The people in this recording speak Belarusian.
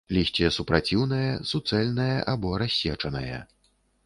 Лісце супраціўнае, суцэльнае або рассечанае.